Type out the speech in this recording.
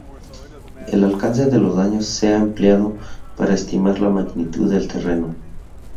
El alcance de los daños se ha empleado para estimar la magnitud del terremoto.